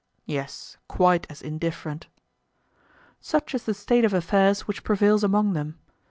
Yes, quite as indifferent. Such is the state of affairs which prevails among them.